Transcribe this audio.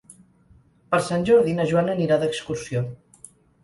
Per Sant Jordi na Joana anirà d'excursió.